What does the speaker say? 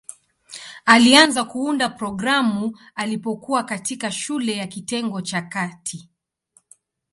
Alianza kuunda programu alipokuwa katikati shule ya kitengo cha kati.